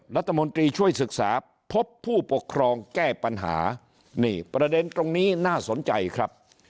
รัฐมนตรีช่วยศึกษาพบผู้ปกครองแก้ปัญหานี่ประเด็นตรงนี้น่าสนใจครับ